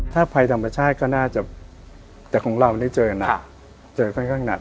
ถ้าภัยธรรมชาติก็น่าจะแต่ของเรานี่เจอหนักเจอค่อนข้างหนัก